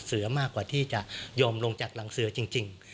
เสือมากกว่าที่จะยอมลงจากหลังเสือจริง